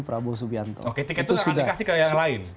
prabowo subianto oke tiket itu akan dikasih ke yang lain